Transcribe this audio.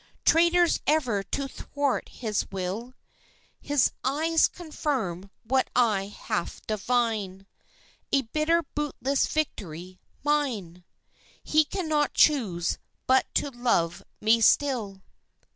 Traitors ever to thwart his will His eyes confirm what I half divine. A bitter, bootless victory mine, He cannot choose but to love me still!